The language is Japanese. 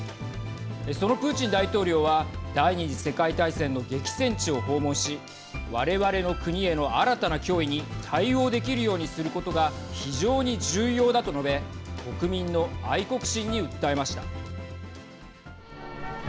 そのプーチン大統領は第２次世界大戦の激戦地を訪問し我々の国への新たな脅威に対応できるようにすることが非常に重要だと述べ国民の愛国心に訴えました。